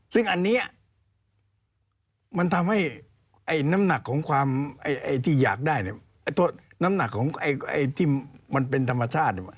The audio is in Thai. ซึ่งอันนี้มันทำให้น้ำหนักของความที่อยากได้โทษน้ำหนักของที่มันเป็นธรรมชาติอยู่